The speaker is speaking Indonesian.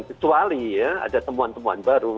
kecuali ya ada temuan temuan baru